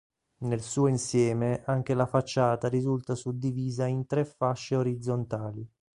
Nel suo insieme anche la facciata risulta suddivisa in tre fasce orizzontali.